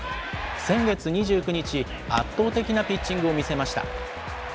先月２９日、圧倒的なピッチングを見せました。